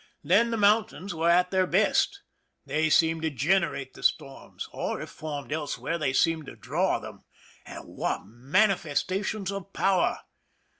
Then the moun tains were at their best. They seemed to generate the storms, or, if formed elsewhere, they seemed to draw them. And what manifestations of power